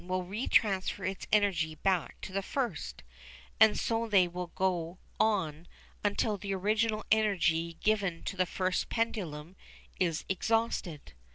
Then the second will re transfer its energy back to the first, and so they will go on until the original energy given to the first pendulum is exhausted.